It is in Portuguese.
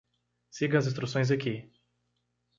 Siga as instruções aqui.